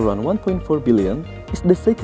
seorang populasi sekitar satu empat juta